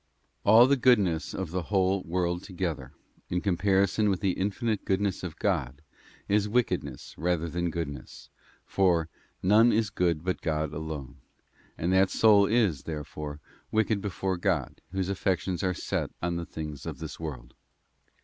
All the goodness of the whole world together, in compari 3 Goodness. son with the infinite Goodness of God, is wickedness rather than goodness, for ' None is good but God alone,'t and that soul is, therefore, wicked before God, whose affections are set on the things of this world.